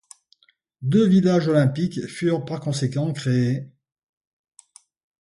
Deux villages olympiques furent par conséquent créés.